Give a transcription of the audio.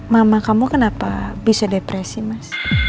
mama kamu kenapa bisa depresi mas